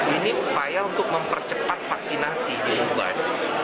ini upaya untuk mempercepat vaksinasi di wuhan